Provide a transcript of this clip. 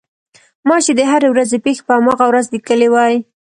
ما چې د هرې ورځې پېښې په هماغه ورځ لیکلې وې.